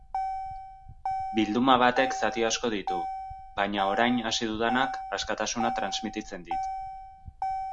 Bilduma batek zati asko ditu, baina orain hasi dudanak askatasuna transmititzen dit.